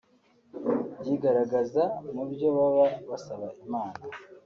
byigaragaza mu byo baba basaba Imana